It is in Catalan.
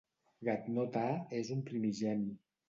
Ghatanothoa és un Primigeni.